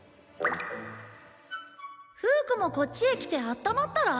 フー子もこっちへ来てあったまったら？